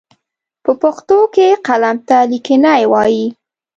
په پښتو کې قلم ته ليکنی وايي.